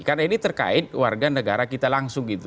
karena ini terkait warga negara kita langsung